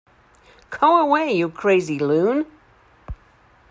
Go away, you crazy loon!